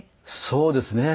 そうですね。